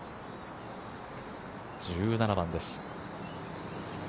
１７番です。